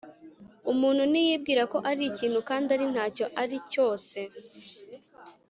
Umuntu niyibwira ko ari ikintu kandi ari nta cyo ari cyose